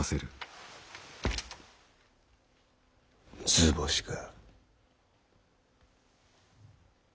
図星か。